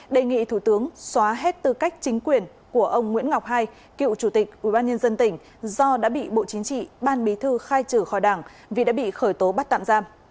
đề nghị thủ tướng xóa hết tư cách chính quyền của ông nguyễn ngọc hai cựu chủ tịch ubnd tỉnh do đã bị bộ chính trị ban bí thư khai trừ khỏi đảng vì đã bị khởi tố bắt tạm giam